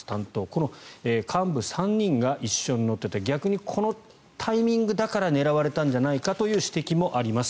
この幹部３人が一緒に乗ってて逆にこのタイミングだから狙われたんじゃないかという指摘もあります。